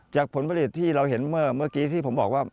ผลผลิตที่เราเห็นเมื่อกี้ที่ผมบอกว่า